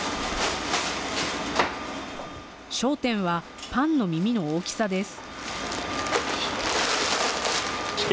焦点はパンの耳の大きさです。